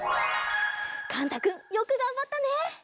かんたくんよくがんばったね！